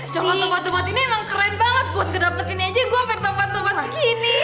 coklat obat obat ini emang keren banget buat kedapet ini aja gue ambil tempat tempat begini